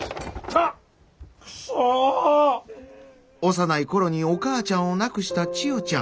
幼い頃にお母ちゃんを亡くした千代ちゃん。